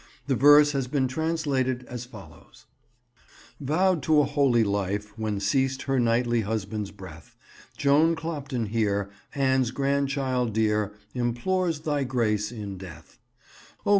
The verse has been translated as follows— "Vowed to a holy life when ceased her knightly husband's breath, Joan Clopton here, Anne's grandchild dear, implores Thy grace in death; O!